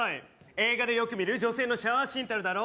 映画でよく見る女性のシャワーシーンってあるだろ？